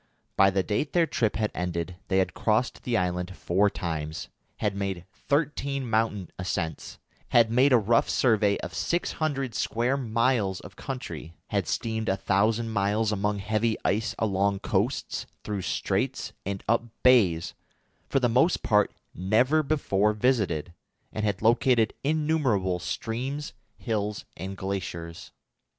By the date their trip had ended they had crossed the island four times, had made thirteen mountain ascents, had made a rough survey of six hundred square miles of country, had steamed a thousand miles among heavy ice along coasts, through straits, and up bays, for the most part never before visited, and had located innumerable streams, hills, and glaciers.